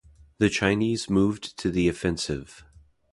The Chinese moved to the offensive.